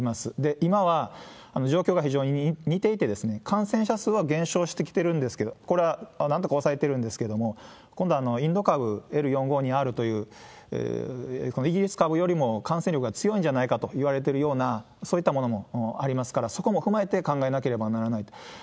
今は、状況が非常に似ていて、感染者数は減少してきてるんですけれども、これはなんとか抑えてるんですけれども、今度、インド株、Ｌ４５２Ｒという、このイギリス株よりも感染力が強いんじゃないかといわれているような、そういったものもありますから、そこも踏まえて考えなければならないと。